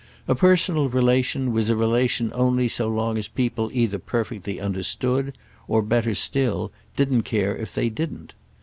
A personal relation was a relation only so long as people either perfectly understood or, better still, didn't care if they didn't.